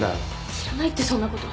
知らないってそんなこと！